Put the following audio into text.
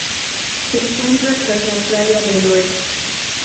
Se encuentra tras la playa de Lloret.